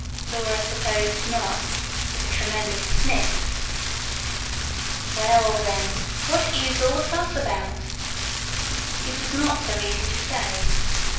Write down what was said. Laura supposed not with a tremendous sniff. "Well, then, what IS all the fuss about?" It was not so easy to say.